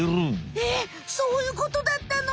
えっそういうことだったの！